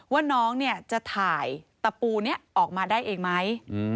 ว่าน้องเนี่ยจะถ่ายตะปูนี้ออกมาได้เองไหม